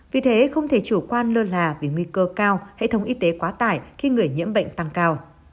vì thế không thể chủ quan lơ là vì nguy cơ cao hệ thống y tế quá tải khi người nhiễm bệnh tăng cao